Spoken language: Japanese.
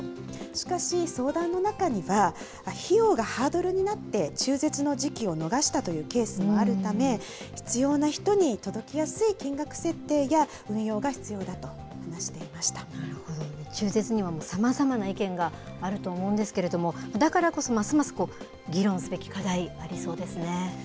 しかし相談の中には、費用がハードルになって、中絶の時期を逃したというケースもあるため、必要な人に届きやすい金額設定や運用なるほど、中絶にはさまざまな意見があると思うんですけれども、だからこそ、ますます議論すべき課題、ありそうですね。